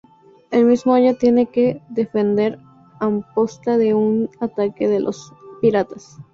El mismo año tiene que defender Amposta de un ataque de los piratas.